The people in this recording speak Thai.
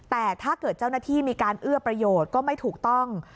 แต่ถ้าเกิดเจ้าหน้าที่มีการเอื้อประโยชน์ก็ไม่ถูกต้อง